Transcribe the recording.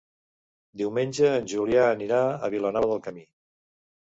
Diumenge en Julià anirà a Vilanova del Camí.